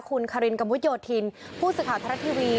คุณคารินกระมุดโยธินผู้สื่อข่าวทรัฐทีวี